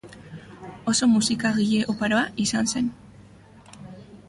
Oso musikagile oparoa izan zen.